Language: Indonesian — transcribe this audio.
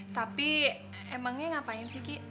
tapi emangnya ngapain sih ki